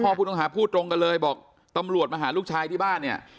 ผู้ต้องหาพูดตรงกันเลยบอกตำรวจมาหาลูกชายที่บ้านเนี่ย